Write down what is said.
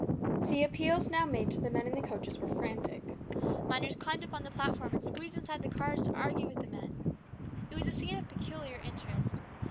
The appeals now made to the men in the coaches were frantic. Miners climbed up on the platforms and squeezed inside the cars to argue with the men. It was a scene of peculiar interest.